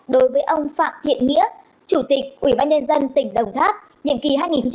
đối với ông phạm thiện nghĩa chủ tịch ubnd tỉnh đồng tháp nhiệm kỳ hai nghìn hai mươi một hai nghìn hai mươi sáu